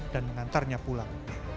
dan mengantarnya pulang